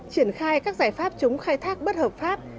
triển khai các giải pháp chống khai thác bất hợp pháp